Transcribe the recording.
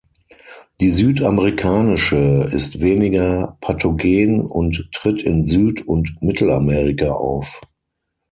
Die südamerikanische ist weniger pathogen und tritt in Süd- und Mittelamerika auf.